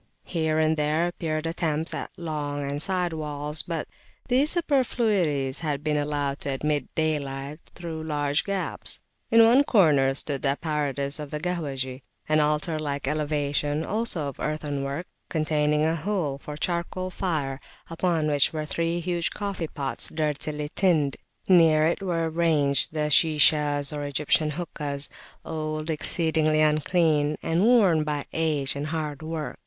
Here and there appeared attempts at long and side walls, but these superfluities had been allowed to admit daylight through large gaps. In one corner stood the apparatus of the "Kahwahji," an altar like elevation, also of earthen work, containing a hole for a charcoal fire, upon which were three huge coffee pots dirtily tinned. Near it were ranged the Shishas, or Egyptian hookahs, old, exceedingly unclean, and worn by age and hard work.